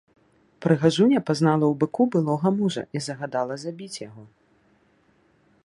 Прыгажуня пазнала ў быку былога мужа і загадала забіць яго.